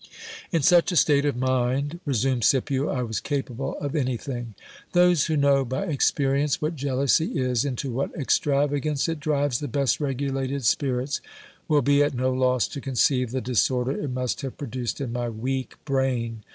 In such a state of mind, resumed Scipio, I was capable of anything. Those who know by experience what jealousy is, into what extravagance it drives the best regulated spirits, will be at no loss to conceive the disorder it must have produced in my weak brain.